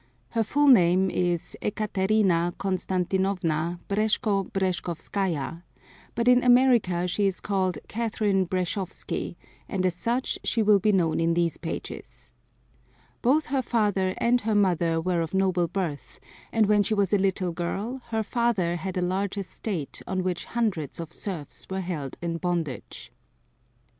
Her full name is Ekaterina Constantinovna Breshko Breshkovskaya, but in America she is called Catherine Breshkovsky, and as such she will be known in these pages. Both her father and her mother were of noble birth, and when she was a little girl her father had a large estate on which hundreds of serfs were held in bondage.